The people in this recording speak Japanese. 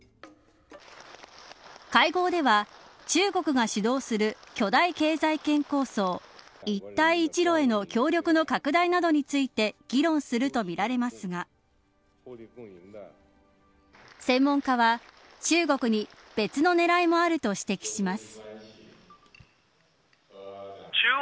会合では中国が主導する巨大経済圏構想、一帯一路への協力の拡大などについて議論するとみられますが専門家は中国に別の狙いもあると指摘します。